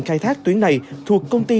khai thác tuyến này thuộc công ty